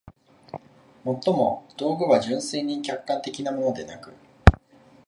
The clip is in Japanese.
尤も、道具は純粋に客観的なものでなく、